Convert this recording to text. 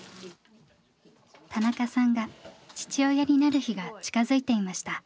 田中さんが父親になる日が近づいていました。